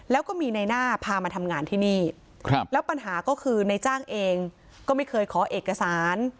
แล้วก็มีในหน้าพามาทำงานที่นี่แล้วปัญหาก็คือในจ้างเองก็ไม่เคยขอเอกสาร